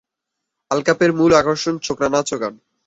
আলকাপের মূল আকর্ষণ ছোকরা নাচ ও গান।